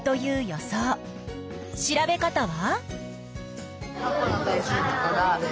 調べ方は？